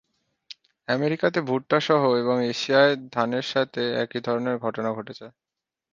আমেরিকাতে ভুট্টা সহ এবং এশিয়ায় ধানের সাথে একই ধরনের ঘটনা ঘটেছে।